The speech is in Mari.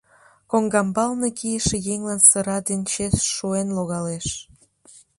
Коҥгамбалне кийыше еҥлан сыра ден чес шуэн логалеш.